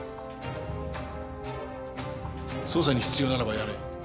捜査に必要ならばやれ。